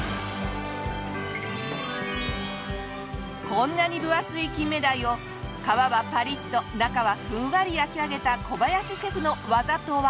こんなに分厚い金目鯛を皮はパリッと中はふんわり焼き上げた小林シェフの技とは？